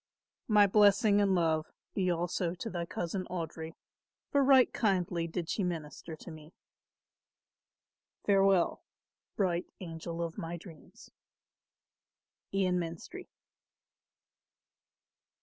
"My blessing and love be also to thy cousin Audry, for right kindly did she minister to me. "Farewell, bright angel of my dreams. "IAN MENSTRIE.